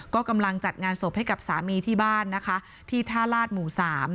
ก็กำลังจัดงานศพให้กับสามีที่บ้านนะคะที่ท่าลาดหมู่๓